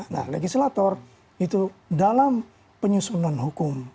nah legislator itu dalam penyusunan hukum